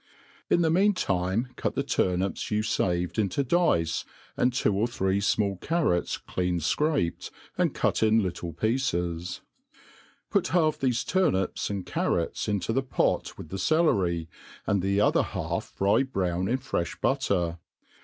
Iq the mean time cut the turnips you faved into dice, and two or three fmall carrots clean fcraped, and cut in little pieces : put half thefe turnips and carrots into the pot with the celery, and the other half fry brown in frefii butter.